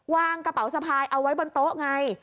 วางกระเป๋าสะพายเอาไว้บนโต๊ะไง